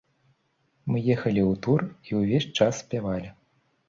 Мы ехалі ў тур і ўвесь час спявалі.